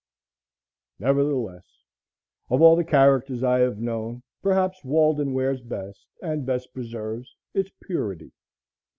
Nevertheless, of all the characters I have known, perhaps Walden wears best, and best preserves its purity.